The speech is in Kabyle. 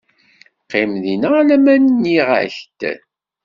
Qqim dinna alamma nniɣ-ak-d.